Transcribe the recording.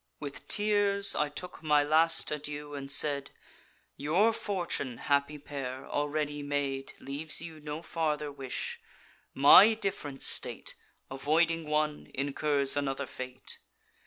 "With tears I took my last adieu, and said: 'Your fortune, happy pair, already made, Leaves you no farther wish. My diff'rent state, Avoiding one, incurs another fate.